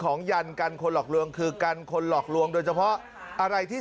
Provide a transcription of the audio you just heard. ยันกันคนหลอกลวงคือกันคนหลอกลวงโดยเฉพาะอะไรที่